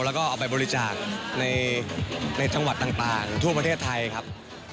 แล้วก็เอาไปบริจาคในจังหวัดต่างทั่วประเทศไทยครับ